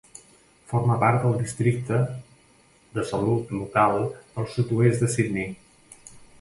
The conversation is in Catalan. Forma part del districte de salut local del sud-oest de Sydney.